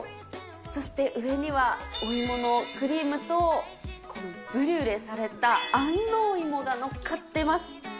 そして上にはお芋のクリームと、ブリュレされた安納芋がのっかってます。